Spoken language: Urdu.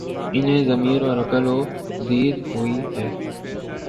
انہیں ضمیر اور عقل ودیعت ہوئی ہی